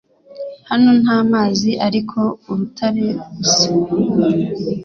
Hano nta mazi ariko urutare gusa